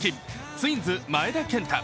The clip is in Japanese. ツインズ・前田健太。